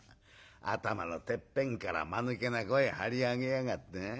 頭のてっぺんからまぬけな声張り上げやがってね